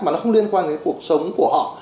mà nó không liên quan đến cuộc sống của họ